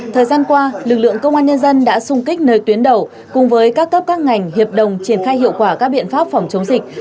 thời gian qua lực lượng công an nhân dân đã xung kích nơi tuyến đầu cùng với các cấp các ngành hiệp đồng triển khai hiệu quả các biện pháp phòng chống dịch